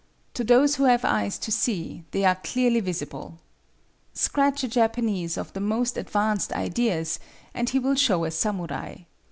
To those who have eyes to see, they are clearly visible. Scratch a Japanese of the most advanced ideas, and he will show a samurai.